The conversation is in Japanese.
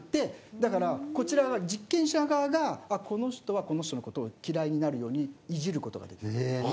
だからこちらが実験者側がこの人はこの人のことを嫌いになるようにいじることができる。